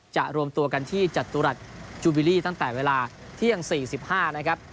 รวมตัวกันที่จตุรัสจูบิลลี่ตั้งแต่เวลาเที่ยง๔๕นะครับ